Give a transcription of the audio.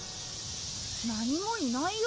何もいないよ。